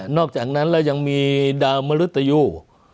อกจากนั้นแล้วยังมีดาวมรุตยู